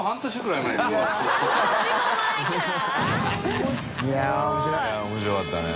い面白かったね。